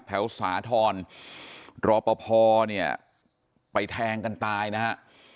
สาธรณ์รอปภเนี่ยไปแทงกันตายนะฮะ